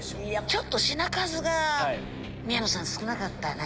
ちょっと品数が宮野さん少なかったね。